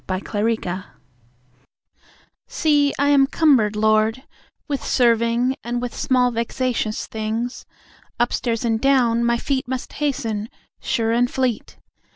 The Housewife See, I am cumbered, Lord, With serving, and with small vexa tious things. Upstairs, and down, my feet Must hasten, sure and fleet.